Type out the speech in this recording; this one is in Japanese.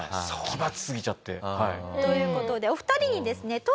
はい奇抜すぎちゃって。という事でお二人にですね